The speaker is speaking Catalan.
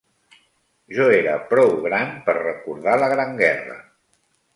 Jo era prou gran per recordar la Gran Guerra